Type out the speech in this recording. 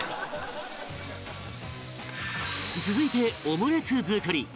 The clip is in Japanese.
続いてオムレツ作り